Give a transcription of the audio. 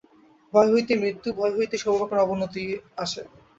ভয় হইতেই মৃত্যু, ভয় হইতেই সর্বপ্রকার অবনতি আসে।